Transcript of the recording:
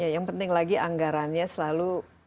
yang penting lagi anggarannya selalu